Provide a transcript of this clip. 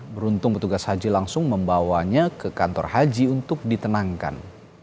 beruntung petugas haji langsung membawanya ke kantor haji untuk ditenangkan